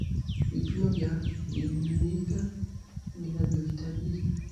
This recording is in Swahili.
vipimo vya vimiminika vinavyohitajika